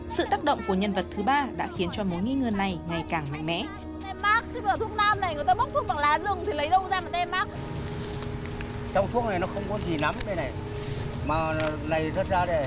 sự tác động của nhân vật thứ ba đã khiến cho mối nghi ngờ này ngày càng mạnh mẽ